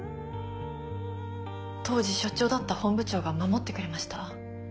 当時署長だった本部長が守ってくれました。